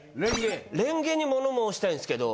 レンゲに物申したいんですけど。